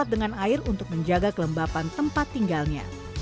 dan air untuk menjaga kelembapan tempat tinggalnya